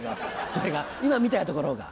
それが今みたいなところが。